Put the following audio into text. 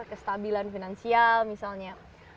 kestabilan finansial misalnya